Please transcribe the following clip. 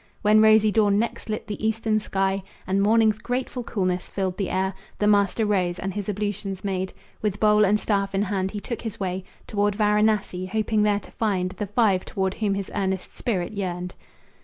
When rosy dawn next lit the eastern sky, And morning's grateful coolness filled the air, The master rose and his ablutions made. With bowl and staff in hand he took his way Toward Varanassi, hoping there to find The five toward whom his earnest spirit yearned.